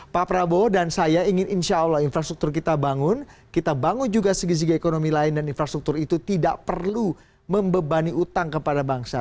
pak prabowo dan saya ingin insya allah infrastruktur kita bangun kita bangun juga segi segi ekonomi lain dan infrastruktur itu tidak perlu membebani utang kepada bangsa